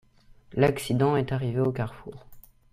L'accident est arrivé au carrefour.